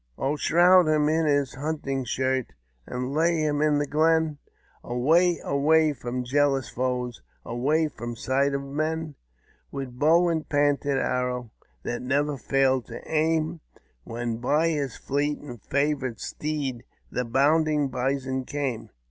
Oh shroud him in his hunting shirt, And lay him in the glen, Away, away from jealous foes, Away from sight of men — With bow and painted arrow, That never failed its aim, When by his fleet and favourite steed The bounding bison came.